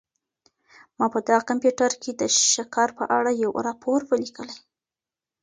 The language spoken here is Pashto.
ما په دغه کمپیوټر کي د شکر په اړه یو راپور ولیکلی.